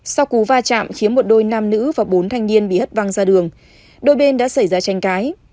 sau cú va chạm khiến một đôi nam nữ và bốn thanh niên bị hất văng ra đường đôi bên đã xảy ra tranh cãi